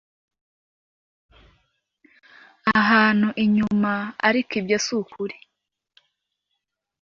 ahantu inyuma ariko ibyo si ukuri